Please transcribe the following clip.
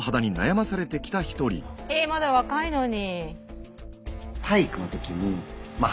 まだ若いのに。